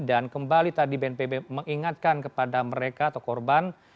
dan kembali tadi bnpb mengingatkan kepada mereka atau korban